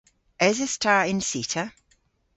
Eses ta y'n cita?